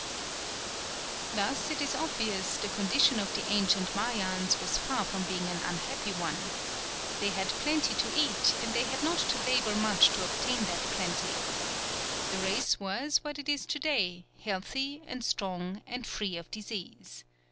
Thus it is obvious the condition of the ancient Mayans was far from being an unhappy one. They had plenty to eat and they had not to labour much to obtain that plenty. The race was what it is to day, healthy and strong and free of disease.